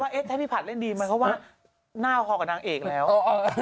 แต่ว่าเอ๊ะแท้พี่ผัดเล่นดีมั้ยเพราะว่าหน้าเอาคอกกับนางเอกแล้ว